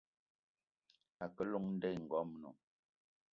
A ke llong nda i ngoamna.